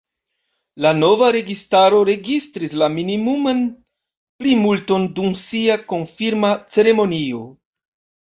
La nova registaro registris la minimuman plimulton dum sia konfirma ceremonio.